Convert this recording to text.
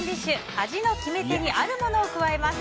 味の決め手にあるものを加えます。